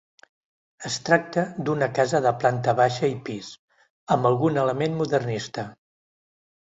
Es tracta d'una casa de planta baixa i pis, amb algun element modernista.